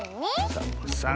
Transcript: サボさん。